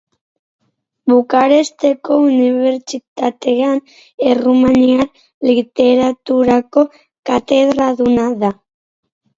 Bukaresteko Unibertsitatean Errumaniar Literaturako katedraduna da.